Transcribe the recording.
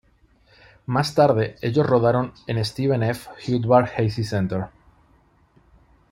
Más tarde, ellos rodaron en Steven F. Udvar-Hazy Center.